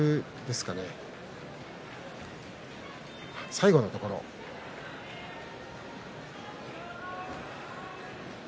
最後のところです。